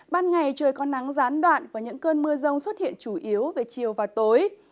ban ngày trời có nắng gián đoạn và những cơn mưa rông xuất hiện chủ yếu về chiều và tối